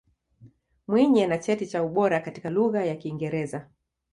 Mwinyi ana cheti cha ubora katika Lugha ya Kiingereza